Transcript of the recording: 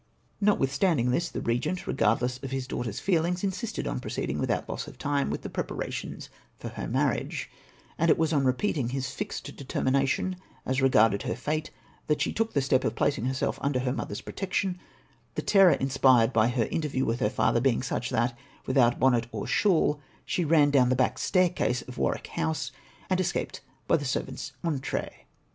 Notwithstanding this, the Eegent, regardless of his daughter's feehngs, insisted on proceeding without loss of time with the preparations for her marriage ; and it was on re]oeating his fixed determination as regarded her fate, that she took the step of placing herself under her mother's protection, the terror inspired by the in terview with her father being such that, without bonnet or shawl, she ran down the back staircase of Warwick House, and escaped by the servants' entree.